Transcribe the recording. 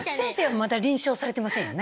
まだ臨床されてませんよね？